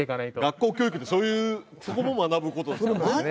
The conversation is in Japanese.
学校教育ってそういうそこも学ぶ事ですからね。